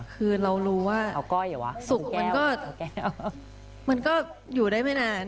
คือเรารู้ว่าศุกระสุดมันก็อยู่ได้ไม่นาน